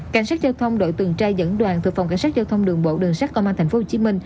cảnh sát giao thông đội tuần tra dẫn đoàn thuộc phòng cảnh sát giao thông đường bộ đường sát công an tp hcm